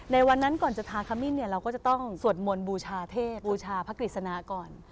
ในวันนั้นก่อนจะทะมิชเราก็จะต้องสวดวนบูชาเทพภพกฤติศาคณ์